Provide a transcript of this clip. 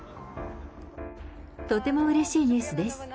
とてもうれしいニュースです。